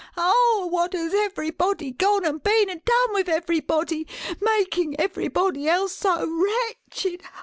Ow, what has everybody gone and been and done with everybody, making everybody else so wretched!